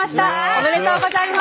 おめでとうございます。